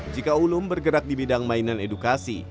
jika ulum bergerak di bidang mainan edukasi